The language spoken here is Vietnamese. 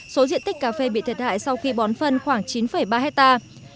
số diện tích cà phê bị thiệt hại sau khi bón phân khoảng chín ba hectare